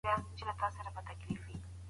زما ورور د تاريخ په لوستلو بوخت دی.